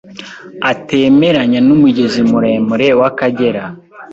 atemeranya n’umugezi muremure wa Kagera